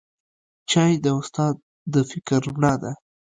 چای د استاد د فکر رڼا ده